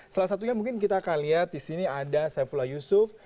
salah satunya mungkin kita akan lihat di sini ada saifullah yusuf